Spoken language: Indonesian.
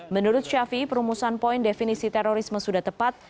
menurut syafiee perumusan poin definisi terorisme sudah tepat